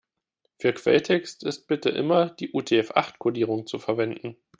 Für Quelltext ist bitte immer die UTF-acht-Kodierung zu verwenden.